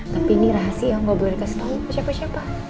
tapi ini rahasia gak boleh dikasih tahu siapa siapa